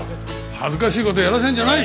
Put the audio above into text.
恥ずかしい事やらせるんじゃない！